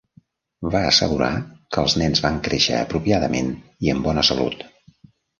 Va assegurar que els nen van créixer apropiadament i amb bona salut.